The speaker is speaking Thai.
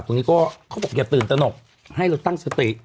ตรงนี้ก็เขาบอกอย่าตื่นตนกให้เราตั้งสติ